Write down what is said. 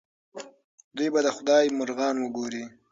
دوی به د خدای مرغان وګوري.